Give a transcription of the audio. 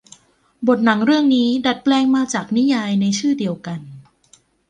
บทหนังเรื่องนี้ดัดแปลงมาจากนิยายในชื่อเดียวกัน